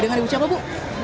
dengan ibu siapa bu